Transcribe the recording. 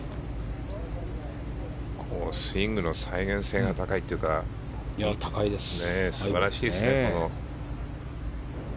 スイングの再現性が高いというか素晴らしいですね。